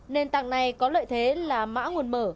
nền tảng này có lợi thế là mã nguồn mở